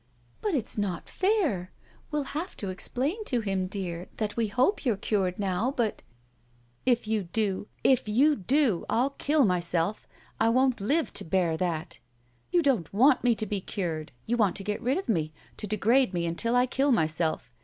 "But it's not fair. We'll have to explain to him, dear, that we hope you're cured now, but —" "If you do — if you do — ^I'll kill myself! I won't live to bear that! You don't want me cured. You want to get rid of me, to degrade me until I kill myself!